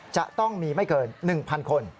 จะต้องมีไม่เกิน๑๐๐คน